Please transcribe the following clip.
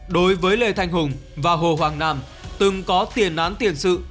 đối với lê thanh hùng và hồ hoàng nam từng có tiền án tiền sự